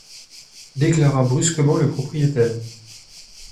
Déclara brusquement le propriétaire.